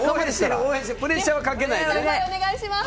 プレッシャーはかけないで。